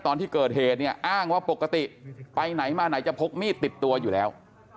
ตอนที่เกิดเหตุเนี่ยอ้างว่าปกติไปไหนมาไหนจะพกมีดติดตัวอยู่แล้ว